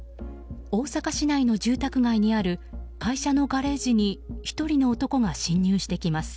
大阪市内の住宅街にある会社のガレージに１人の男が侵入してきます。